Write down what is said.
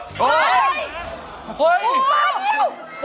เห้ยก็ปะเดี๋ยว